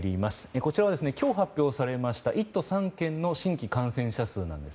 こちらは今日発表されました１都３県の新規感染者数です。